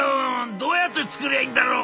どうやって作りゃいいんだろう」。